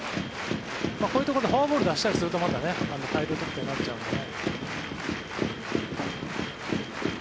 こういうところでフォアボールを出したりすると大量得点になっちゃうんで。